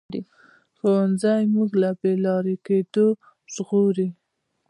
ښوونځی موږ له بې لارې کېدو ژغوري